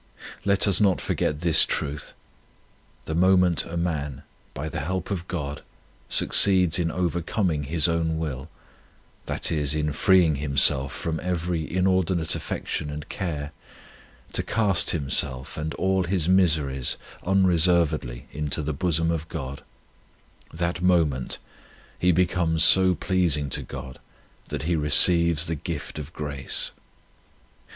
1 Let us not forget this truth : the moment a man, by the help of God, succeeds in overcoming his own will, that is, in freeing him self from every inordinate affection and care, to cast himself and all his miseries unreservedly into the bosom of God, that moment he becomes so pleasing to God that he receives the gift of grace.